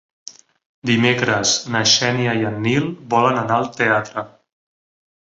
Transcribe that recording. Dimecres na Xènia i en Nil volen anar al teatre.